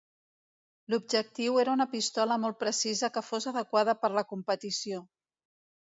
L'objectiu era una pistola molt precisa que fos adequada per la competició.